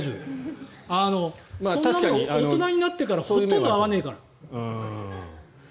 そんなに大人になってからほとんど会わないから。